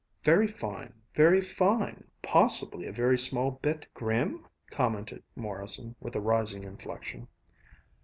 "Very fine, very fine! Possibly a very small bit ... grim?" commented Morrison, with a rising inflection.